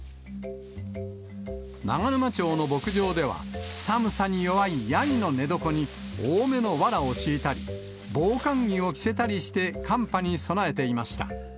長沼町の牧場では、寒さに弱いヤギの寝床に多めのわらを敷いたり、防寒着を着せたりして寒波に備えていました。